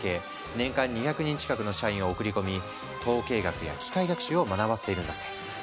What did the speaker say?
年間２００人近くの社員を送り込み統計学や機械学習を学ばせているんだって。